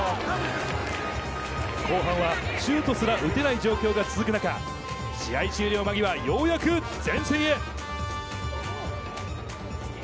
後半はシュートすら打てない状況が続く中、試合終了間際、ようやく前線へ。